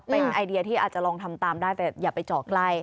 เป็นไอเดียที่อาจจะลองทำตามได้แต่อย่าไปเจาะใกล้